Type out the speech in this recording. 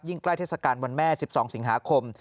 ใกล้เทศกาลวันแม่๑๒สิงหาคม